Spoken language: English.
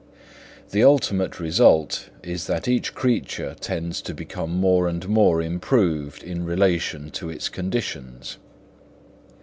The ultimate result is that each creature tends to become more and more improved in relation to its conditions.